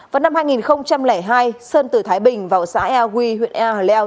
vào năm hai nghìn hai sơn từ thái bình vào xã ea hờ leo